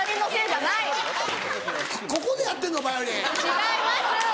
違います！